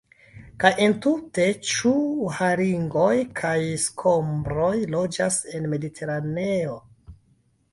Kaj entute, ĉu haringoj kaj skombroj loĝas en Mediteraneo?